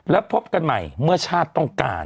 แล้วพบกันใหม่เมื่อชาติต้องการ